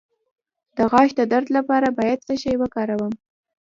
د غاښ د درد لپاره باید څه شی وکاروم؟